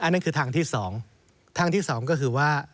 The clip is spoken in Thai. อันนั้นคือทางที่สองทางที่สองก็คือว่า